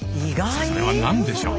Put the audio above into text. それは何でしょう？